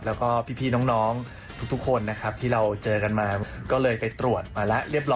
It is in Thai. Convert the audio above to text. แล้วก็พี่น้องทุกคนที่เจอมาก็ไปตรวจ